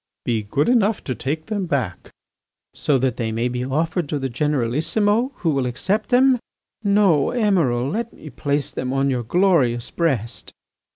"Be good enough to take them back." "So that they may be offered to the Generalissimo who will accept them! ... No, Emiral, let me place them on your glorious breast."